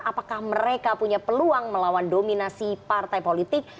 apakah mereka punya peluang melawan dominasi partai politik